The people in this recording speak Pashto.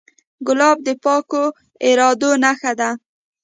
ګلاب د پاکو ارادو نښه ده.